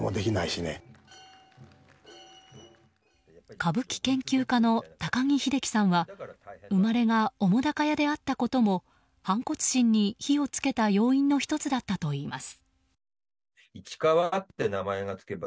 歌舞伎研究家の高木秀樹さんは生まれが澤瀉屋であったことも反骨心に火を付けた要因の１つだったといいます。